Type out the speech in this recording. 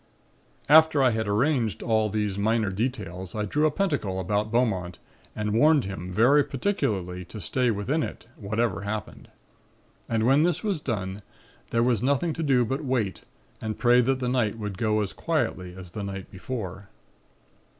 "After I had arranged all these minor details I drew a pentacle about Beaumont and warned him very particularly to stay within it, whatever happened. And when this was done, there was nothing to do but wait and pray that the night would go as quietly as the night before.